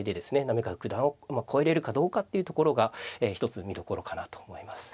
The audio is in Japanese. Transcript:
行方九段を超えれるかどうかっていうところが一つ見どころかなと思います。